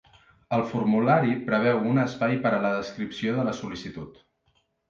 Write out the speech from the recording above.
El formulari preveu un espai per a la descripció de la sol·licitud.